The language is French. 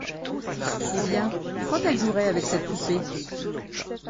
Eh bien, quand elle jouerait avec cette poupée?